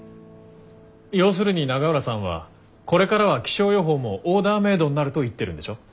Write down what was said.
要するに永浦さんはこれからは気象予報もオーダーメードになると言ってるんでしょ？